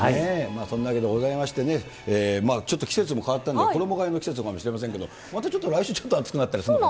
そんなわけでございましてね、ちょっと季節も変わったんで、衣がえの季節かもしれませんけれども、またちょっと来週、ちょっと暑くなったり寒くなったり。